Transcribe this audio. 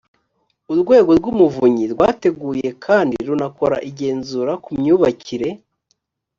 urwego rw umuvunyi rwateguye kandi runakora igenzura ku myubakire